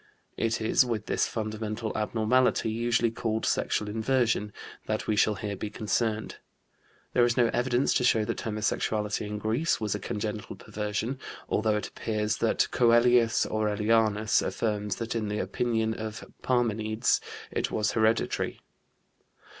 It is with this fundamental abnormality, usually called sexual inversion, that we shall here be concerned. There is no evidence to show that homosexuality in Greece was a congenital perversion, although it appears that Coelius Aurelianus affirms that in the opinion of Parmenides it was hereditary.